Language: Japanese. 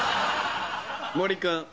森君。